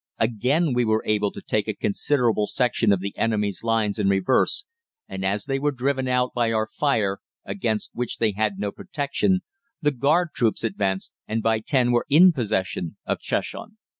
Again we were able to take a considerable section of the enemy's lines in reverse, and as they were driven out by our fire, against which they had no protection, the Garde Corps advanced, and by ten were in possession of Cheshunt.